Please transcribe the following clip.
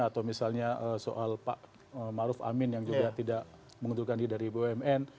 atau misalnya soal pak maruf amin yang juga tidak mengundurkan diri dari bumn